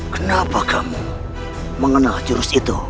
kenapa kamu mengenal jurus itu